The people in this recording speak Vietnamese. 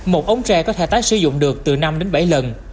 một ống tre có thể tái sử dụng được từ năm đến bảy lần